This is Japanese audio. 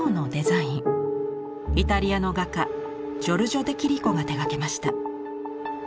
イタリアの画家ジョルジョ・デ・キリコが手がけました。